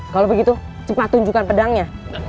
kalau begitu cepat tunjukkan pedangnya